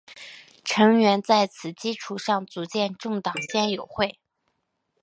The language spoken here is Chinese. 成员在此基础上组建政党宪友会。